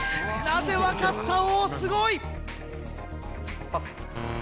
なぜ分かった王すごい！パス！